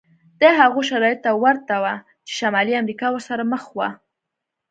دا هغو شرایطو ته ورته و چې شمالي امریکا ورسره مخ وه.